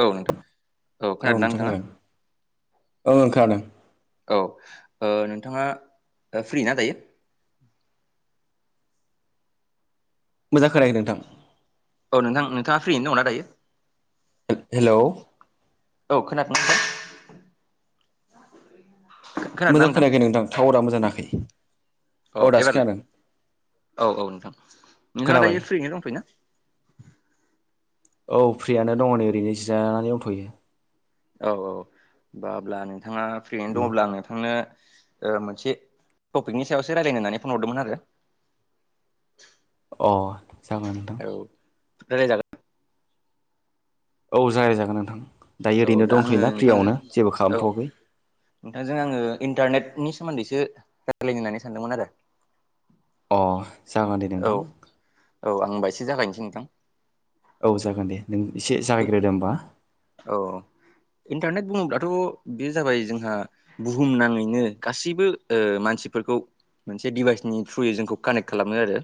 औ नोंथां औ खोनादोंना नोंथां नोंथाङा खोनादों ओं खोनादों। औ नोंथाङा फ्रि ना दायो। मोजां खोनायाखै नोंथां औ नोंथां नोंथाङा फ्रियैनो दंना दायो। हेल' औ खोनादोंना? मोजां खोनायाखै नोंथां टावरा मोजां नाङाखै औ दासो खोनादों। औ औ नोंथां नोंथाङा खोनाबाय दायो फ्रियैनो दंफै ना औ फ्रियानो दङ नै ओरैनो जि जानानै दथ'यो। औ औ होना अब्ला नोंथाङा फ्रियैनो दङब्ला नोंथांनो ओ मोनसे टपिकनि सायावसो रायलायनो होननानै फन हरदोंमोन आरो। अ जागोनाय नोंथां रायलाय जागोन। औ जागाय जागोन नोंथां। दायो औ ओरैनो दा आङो दंथ'योना नोंथांजों फ्रियावनो जेबो औ खालामथ'वाखै नोंथांजों आङो इन्टारनेटनि सोमोन्दैसो राय्लायनो होननानै सानदोंमोन आरो। अ जागोन दे औ नोंथां। औ आं ओमबा एसे जागायनोसै नोंथां। औ जागोन दे नों एसे जागायग्रोदो ओमबा। औ इन्टारनेट बुङोब्लाथ' बे जाबाय जोंहा बुहुम नाङैनो गासैबो मानसिफोरखौ मोनसे डिभाइसनि थ्रुयै जोंखौ कानेक्ट खालामो आरो।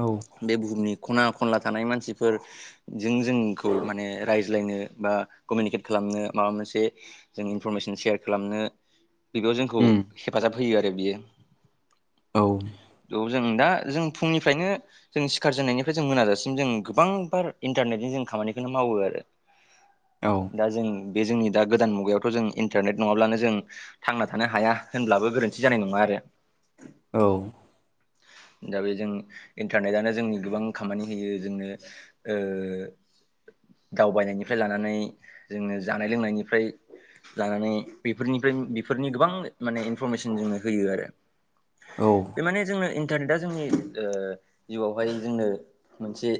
औ बे बुहुमनि खना खनला थानाय मानसिफोरजों जों खौ माने रायज्लायनो बा कमिउनिकेट खालामनो माबा मोनसे जों इनफरमेसन सेयार खालामनो बियाव जोंखौ उम हेफाजाब होयो आरो बियो। औ जों दा जों फुंनिफ्रायनो जों सिखार जेननायनिफ्राय जों मोनाजासिम जों गोबां बार इन्टारने जों खामानिखौनो मावो आरो औ दा जों बे जोंनि दा गोदान मुगायावथ' जों इन्टारनेट नङाब्लानो जों थांना थानो हाया होनब्लाबो गो रोनथि जानाय नङा आरो। औ दा बे जों इन्टारनेटआनो जोंनि गोबां खामानि होयो जोंनो ओ दावबायनायनिफ्राय लानानै जोंनो जानाय लोंनायनिफ्राय जानानै बेफोरनिफ्राय बेफोरनि गोबां माने इनफरमेसन जोंनो होयो आरो। औ बे माने जोंनो इन्टारनेटआ जोंनि ओ जिउआवहाय जोंनो मोनसे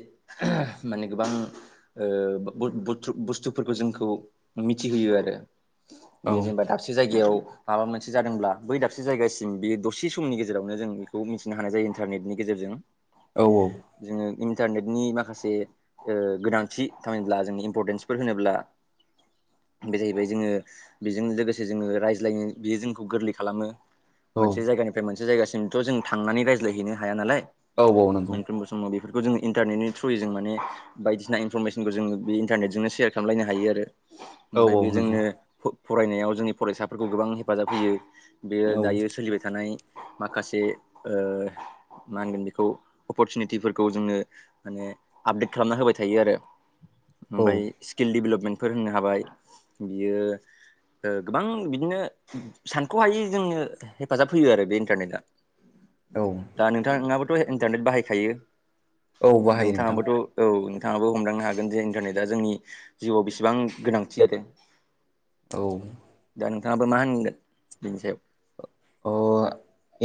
माने गोबां ओ बुलतुब-बुस्थुफोरखौ जोंखौ मिथिहोयो आरो। बे औ जेनेबा दाबसे जायगायाव माबा मोनसे जादोंब्ला बै दाबसे जायगासिम बे दसे समनि गेजेरावनो जों बेखौ मिथि नो हानाय जायो इन्टारनेटनि गेजेरजों औ औ जोङो इन्टारनेटनि माखासे ओ गोनांथि होनोब्ला जोंनि इम्परटेन्सफोर होनोब्ला बे जाहैबाय जोङो बेजों लोगोसे जोङो रायज्लायनो बियो जोंखौ गोरलै खालामो। औ मोनसे जायगानिफ्राय मोनसे जायगासिमथ' जों थांनानै रायज्लायहैनो हाया नालाय। औ औ नंगौ। मोनफ्रोमबो समाव बेफोरखौ जोङो इन्टारनेटनि थ्रुयै जों माने बायदिसिना इनफरमेसनखौ जों बे इन्टारनेटजोंनो सेयार खालामलायनो हायो आरो। औ ओमफ्राय औ बे नंगौ जोंनो फरायनायाव जोंनि फरायसाफोरखौ गोबां हेफाजाब होयो। बेयो औ दायो सोलिबाय थानाय माखासे ओ मा होनगोन बेखौ अपरसुनिटिफोरखौ जोंनो माने आपडेट खालामना होबाय थायो आरो। औ ओमफ्राय स्किल डेभेलपमेन्टफोर होननो हाबाय बियो। गोबां बिदिनो सानख'हायै जोंनो हेफाजाब होयो आरो बे इन्टारनेटआ औ दा नोंथाङाबोथ' इन्टारनेट बाहायखायो? औ बाहायो नोंथां नोंथाङाबोथ' औ नोथाङाबो हमदांनो हागोन जे इन्टारनेटआ जोंनि जिउआव बेसेबां गोनांथि जादों। औ दा नोंथाङाबो मा होनगोन बिनि सायाव अ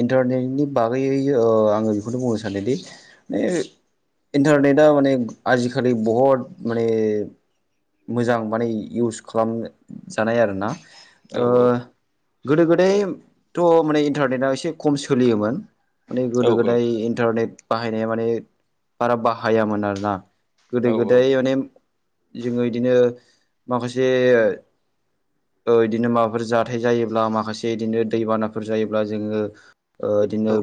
इन्टारनेटनि बागैै आङो बेखौनो बुंनो सानोदि ओ इन्टारनेटआ माने आजिखालि बहुद माने मोजां माने इउस खालाम जानाय आरोना। औ ओ गोदो गोदायथ' माने इन्टारनेटआ एसे खम सोलियोमोन। माने गोदो गोदाय इन्टारनेट बाहायनाया माने बारा बाहायामोन आरोना। गोदो गोदाय माने जोङो इदिनो माखासे ओ इदिनो माबाफोर जाथाय जायोब्ला माखासे इदिनो दैबानाफोर जायोब्ला जोङो ओ इदिनो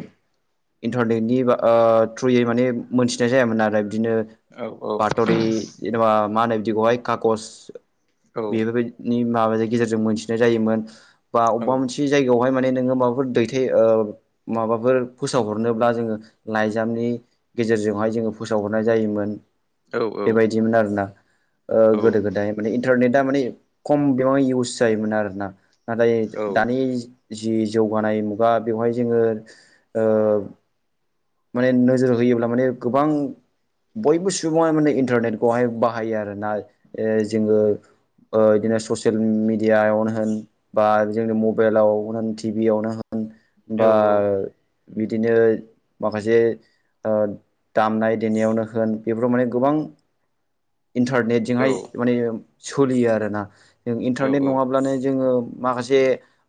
इन्टारनेटनि बा ओ थ्रुयै माने मोनथिनाय जायामोन आरो। बिदिनो बात'रि जेन'बा मा होनो बिदिखौहाय खागज बेफोरबायदिनि माबानि गेजेरजों मोनथिनाय जायोमोन बा अबेबा मोनसे जायगायावहाय माने नोङो माबाफोर दैथाय ओ माबाफोर फोसावहरनोब्ला जोङो लाइजामनि गेजेरजोंहाय जोङो फोसाव हरनाय जायोमोन। बेबायदिमोन आरोना ओ गोदो गोदाय माने इन्टारनेटआ माने खम बिबाङै इउस जायोमोन आरोना नाथाय दानि जि जौगानाय मु बा बेवहाय जोङो ओ माने नोजोर होयोब्ला माने गोबां बयबो सुबुङा माने इन्टारनेटखौहाय बाहायो आरोना ओ जोङो ओ इदिनो ससियेल मिडियायावनो होन बा जोंनि मबेलावनो होन टिभियावनो होन बा बिदिनो माखासे ओ दामनाय देनायावनो होन बेफोराव माने गोबां इन्टारनेटजोंहाय माने सोलियो आरोना जों इन्टारनेट नङाब्लानो जोङो माखासे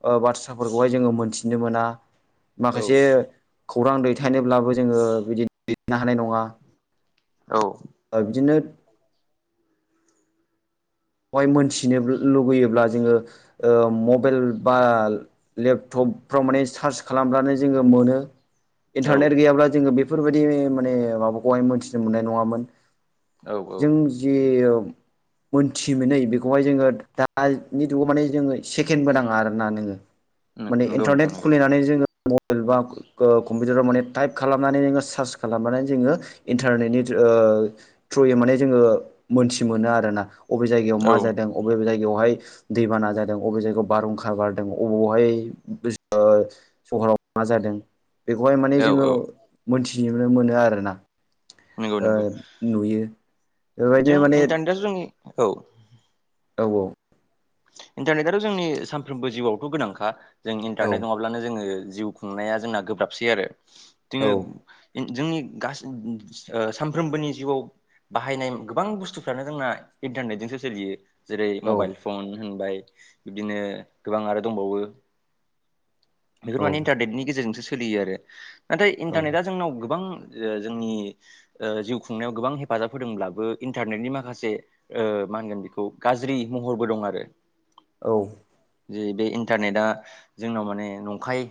ओ बाथ्राफोरखौहाय जोङो मोनथिनो मोना माखासे खौरां दैथायनोब्लाबो जोङो बिदि [unintelligible] हानाय नङा। औ ओ बिदिनो बेवहाय मोनथिनो लुुबैयोब्ला जोङो ओ मबाइल बा लेपटप फ्राव माने सार्च खालामब्लानो जोङो मोनो। इन्टारनेट औ गैयाब्ला जोङो बेफोरबायदि माने माबाखौहाय मोनथिनो मोननाय नङामोन। औ जों जि ओ मोन थि मोनै बेखौहाय जोङो दानि जुगाव माने जोङो सेकेन्डबो नाङा आरोना नोङो माने इन्टारनेट खुलिनानै जोङो मबाइल बा कम्पिउटाराव माने टाइप खालामनानै जोङो सार्च खालामनानै जोङो इन्टारनेटनि ओ थ्रुयै माने जोङो मोनथि मोनो आरोना अबे जायायाव मा जादों बबे जाय हाय दैबाना जादों अबे जायगायाव बारहुंखा बारदों अबावहाय ओ सहराव मा जादों बेखौहाय माने जोङो औ मोनथिनो मोनो आरोना। नंगौ ओ नंगौ नुयो जों बेबायदिनो माने इन्टारनेटआ जोंनि औ औ औ इन्टारनेटआथ' जोंनि सानफ्रोमबो जिउआवथ' गोनांखा जों औ इन्टारनेट नङाब्लानो जोङो जिउ खुंनाया जोंना गोब्राबसै आरो जोङो औ जोंनि गासिन [unintelligible] ओ सानफ्रोमबोनि जिउआव बाहायनाय गोबां बुस्थुफ्रानो जोंना इन्टारनेटजोंसो सोलियो। जेरै औ मबाइल फन होनबाय बिब्दिनो गोबां आरो दंबावो। बेफोर औ माने इन्टारनेटनि गेजेरजोंसो सोलियो आरो नाथाय इन्टारनेटआ जोंनाव गोबां ओ जोंनि ओ जिउ खुंनायाव गोबां हेफाजाब होदोंब्लाबो इन्टारनेटनि माखासे ओ मा होनगोन बेखौ गाज्रि महरबो दं आरो। औ जे बे इन्टारनेटआ जोंनाव माने नंखाय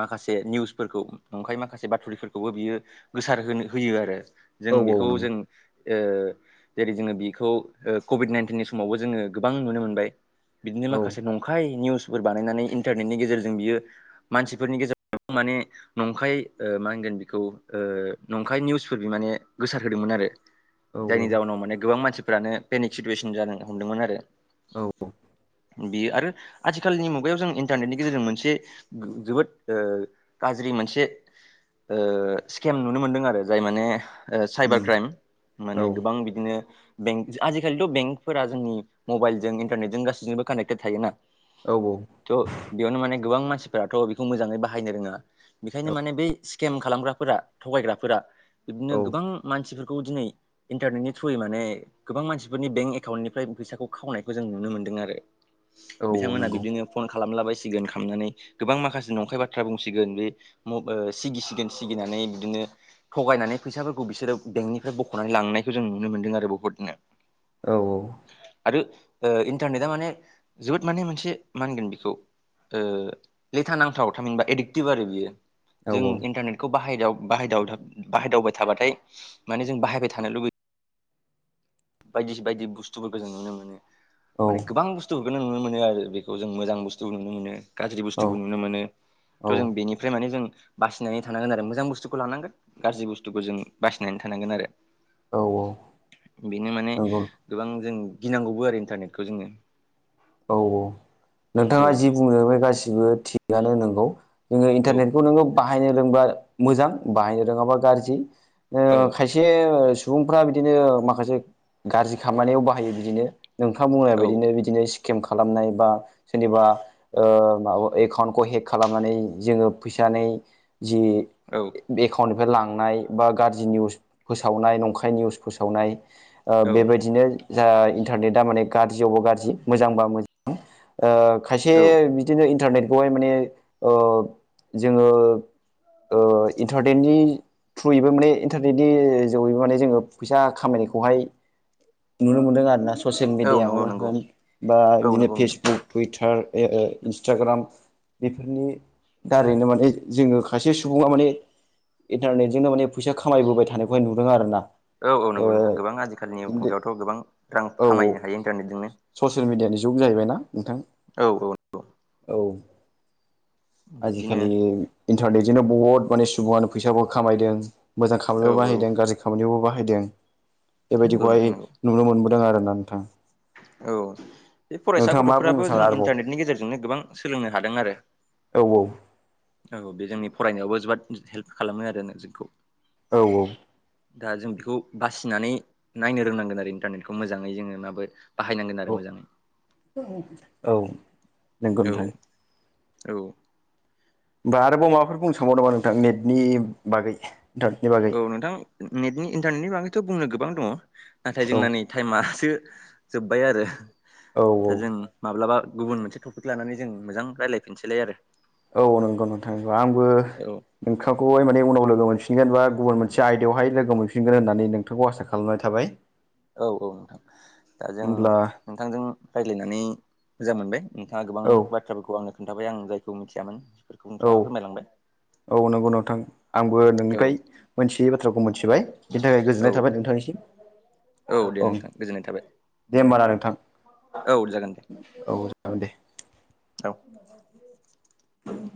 माखासे निउसफोरखौ नंखाय माखासे बाथुरिफोरखौबो बियो गोसारहोनो होयो आरो‌। जों औ औ बेखौ नंगौ जों ओ जेरै जोङो बेखौ कभिड नाइन्टिननि समावबो जोङो गोबां नुनो मोनबाय बिदिनो औ माखासे नंखाय निउस फोर बानायनानै इन्टारनेटनि गेजेरजों बियो मानसिफोरनि गेजेराव माने नंखाय ओ मा होनगोन बिखौ ओ नंखाय निउसफोरबो माने गोसार होदोंमोन आ जायनि जाउनाव माने गोबां मानसिफोरानो पेनिक सिटुवेसन जानो हमदोंमोन आरो। औ बेयो आरो आथिखालनि मुगायाव जों इन्टारनेटनि गेजेरजों मोनसे जोबोद ओ गाज्रि मोनसे स्केम नुनो मोनदों आरो जाय माने साइबार औ क्राइम माने औ गोबां बिदिनो बेंक आजिखालिथ' बेंकफोरा जोंनि मबाइलजों इन्टारनेटजों गासैजोंबो कानेक्टेड थायोना औ थ बेयावनो माने गोबां मानसिफोराथ बेखौ मोजाङै बाहायनो रोङा बेखायनो औ माने बै स्केम खालामग्राफोरा थगायग्राफोरा बिबदिनो औ गोबां मानसि दिनै इन्टारनेटनि थ्रुयै माने गोबां मानसिफोरनि बेंक एकाउन्टनिफ्राय फैसाखौ खावनायखौ जों नुनो मोनदों आरो औ बिथांमोना नंगौ बिब्दिनो फन खालामलाबायसिगोन खालामनानै गोबां माखासे नंखाय बाथ्रा बुंसिगोन बे ओ सिगिसिगोन सिगिनानै बिदिनो थगायनानै फैसाफोरखौ बिसोरो बेंकनिफ्राय बखनानै लांनायखौ जों नुनो मोन्दों आरो बुहुतनो। औ औ आरो इन्टारनेटआ माने जोबोद माने मोनसे मा होनगोन बेखौ ओ लेथा नांथाव थामिनबा एडिक्टिभ आरो बियो औ जों इन्टारनेटखौ बाहायाव बाहायदाव बाहायदावबाय थाबाथाय माने जों बाहायबाय थानो लुबैयो। बायदि बायदि बुस्थुफोरखौ जों नुनो मोनो माने औ गोबां बुस्थु बेखौनो नुनो मोनो आरो बेखौ जों मोजां बुस्थु नुनो मोनो। गाज्रि औ बुस्थुबो नुनो मोनो औ थ जों बेनिफ्राय माने जों बासिनानै थानांगोन आरो मोजां बुस्थुखौ लानांगोन गाज्रि बुस्थुखौ जों बासिनानै थानांगोन आरो। औ औ बेनो माने नंगौ गोबां जों गिनांगौबो आरो इन्टारनेटखौ जोङो औ औ नोंथाङा जि औ बुंनो बे गासिबो थिगानो नोंगौ। जोङो औ इन्टारनेटखौ नोङो बाहायनो रोंबा मोजां बाहायनो रोङाबा गाज्रि। आ खायसे सुबुंफ्रा बिदिनो माखासे गाज्रि खामानियाव बाहायो बिदिनो नोंथाङा बुंनाया औ बिदिनो बिदिनो खालामनाय बा सोरनिबा ओ एकाउन्टखौ हेक खालामनानै जो फै नानै जि एखाउननि फ्राय लांनाय बा गाज्रि निउस फोसावनाय नंखाय निउस फोसावनाय ओ औ बेबायदिनो जा इन्टारनेटआ माने गाज्रियावबा गाज्रि मोजांबा मोजां। ओ खायसे औ बिदिनो इन्टारनेटखौहाय ओ माने जोङो ओ इन्टारटेेननि थ्रुयैबो माने इन्टारनेटनि जोगैबो माने जोङो फैसा खामायनायखौहाय नुनो मोनदों आरो ना ससियेल औ औ नंगौ मिडियाआवनो नंगौ होन बा औ बिदिनो नंगौ फेसबुक टुइटार इन्सटाग्राम बेफोरनि दारैनो माने जोङो खायसे सुबुङा माने इन्टारनेटजोंनो माने फैसा खामायबोबाय थानायखौहाय नुदों आरो ना। औ औ नंगौ नोंथां गोबां आजिखालिनि मुगायावथ गोबां रां औ खामायनो हायो इन्टारनेटजोंनो। ससियेल मिडियानि जुग जाहैबायना नोंथां औ औ बिब्दिनो आजिखालि इन्टारनेटजोंनो बहुद माने सुबुङानो फैसाबो खामायदों। मोजां औ खामानियावबो औ बाहायदों गाज्रि खामानियावबो बाहायदों नंगौ नोंथां बेबायदिखौहाय नंगौ नुनो मोनबोदों। आरोना नोंथां। औ बे फरायसा नोंथाङा मा बुंनो गथफोराबो सानो जों आरोबाव इन्टारनेटनि गेजेरजोंनो गोबां सोलोंनो हादों आरो। औ औ बे जोंनि फरायनायावबो जोबोद हेल्प खालामो आरो जोंखौ औ औ दा जों बेखौ बासिनानै नायनो रोंनांगोन आरो इन्टारनेटखौ मोजाङै जोङो माबो बाहायनांगोन आरो मोजाङै औ नंगौ औ नोंथां औ होनोमबा आरोबाव माबाफोर बुंनो सानबाव नामा नोंथां नेटनि बागै? इन्टारनेटनि बागै औ नोंथां नेटनि इन्टारनेटनि बागैथ बुंनो गोबां दङ नाथाय औ जोंना नै टाइमासो जोब्बाय आरो औ दा जों माब्लाबा गुबुन मोनसे टपिक लानानै जों मोजां रायलायफिनसैलाय आरो। औ नंगौ नोंथां आंबो औ नोंथांखौहाय माने उनाव लोगो मोनफिनगोनबा गुबुन मोनसे आयदायावहाय लोगो मोनफिनगोन होननानै नोंथांखौ आसा खालामनाय थाबाय। औ औ ओ नोंथां दा जों होमब्ला नोंथांजों रायज्लायनानै मोजां मोनबाय नोंथाङा गोबां औ बाथ्राफोरखौ आंनो खोन्थाबाय आं जायखौ मिथियामोन बेफोरखौ नोंथाङा औ फोरमायलांबाय। औ नंगौ नोंथां आंबो औ नोंनिफ्राय मोनथियै बाथ्राखौ मिथिबाय बिनि थाखाय औ गोजोननाय थाबाय। नोंथांनिसिम औ दे नोंथां गोजोननाय थाबाय। दे होमबाना नोंथां औ जागोन दे। औ जागोन दे औ औ